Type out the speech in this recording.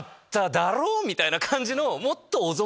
だろ？みたいな感じの。